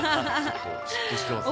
嫉妬してますね。